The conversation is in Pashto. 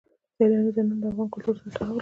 سیلانی ځایونه د افغان کلتور سره تړاو لري.